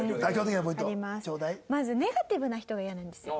まずネガティブな人がイヤなんですよ。